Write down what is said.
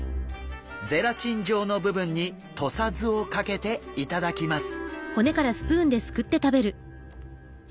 ゼラチン状の部分に土佐酢をかけて頂きます。